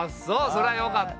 そりゃよかった。